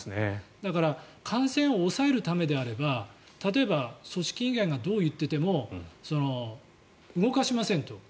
だから感染を抑えるためであれば例えば組織委員会がどう言っていても動かしませんと。